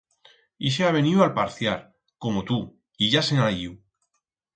Ixe ha veniu a alparciar, como tu, y ya se'n ha yiu.